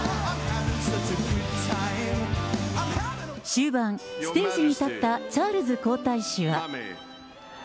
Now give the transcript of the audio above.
終盤、ステージに立ったチャールズ皇太子は。